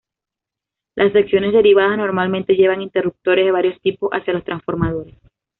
Las secciones derivadas normalmente llevan interruptores de varios tipos hacia los transformadores.